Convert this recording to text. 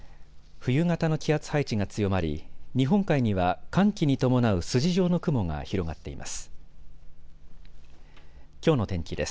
冬型の気圧配置が強まり日本海には寒気に伴う筋状の雲が広がっています。